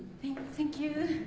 センキュー。